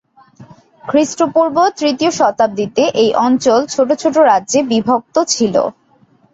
খ্রিস্টপূর্ব তৃতীয় শতাব্দীতে এই অঞ্চল ছোটো ছোটো রাজ্যে বিভক্ত ছিল।